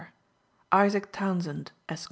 Isaac Townsend, Esq.